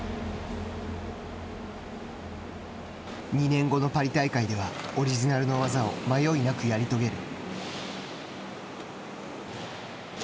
２年後のパリ大会ではオリジナルの技を迷いなくやり遂げる。